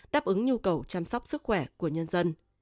đáp ứng nhu cầu chăm sóc sức khỏe của nhân dân